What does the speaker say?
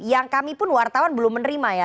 yang kami pun wartawan belum menerima ya